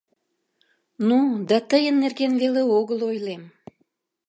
Ну, да тыйын нерген веле огыл ойлем...